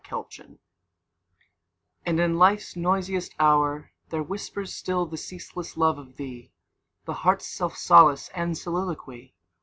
25 And in Life's noisiest hour There whispers still the ceaseless love of thee, The heart's self solace } and soliloquy.